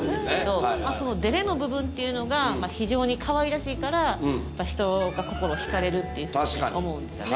はいはいそのデレの部分っていうのが非常にかわいらしいからうん人が心ひかれるっていうふうに思うんですね